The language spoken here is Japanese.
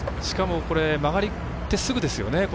しかも曲がってすぐですよね。